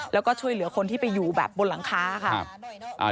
แล้วก็ช่วยเหลือคนที่ไปอยู่แบบบนหลังคาค่ะ